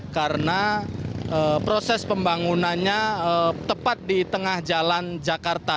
karena proses pembangunannya tepat di tengah jalan jakarta